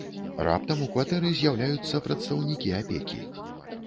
Раптам у кватэры з'яўляюцца прадстаўнікі апекі.